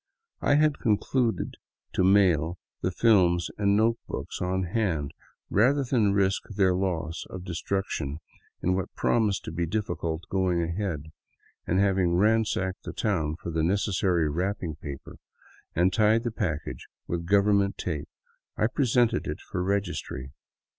I had concluded to mail the films and notebooks on hand, rather than risk their loss or destruction in what promised to be difficult going ahead, and having ransacked the town for the necessary wrapping paper, and tied the package with government tape, I presented it for registry.